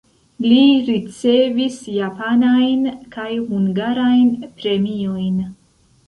Li ricevis japanajn kaj hungarajn premiojn.